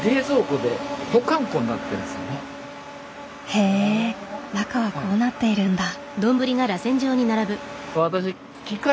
へえ中はこうなっているんだ。